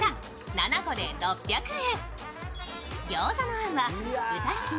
７個で６００円。